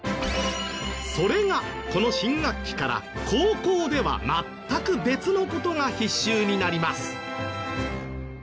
それがこの新学期から高校では全く別の事が必修になります。